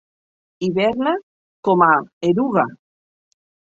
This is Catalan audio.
Hiberna com a eruga.